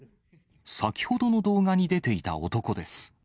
先ほどの動画に出ていた男です。